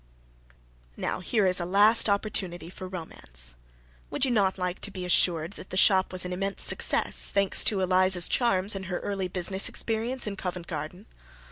Now here is a last opportunity for romance. Would you not like to be assured that the shop was an immense success, thanks to Eliza's charms and her early business experience in Covent Garden?